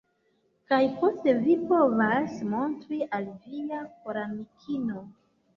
Kaj poste vi povas montri al via koramikino.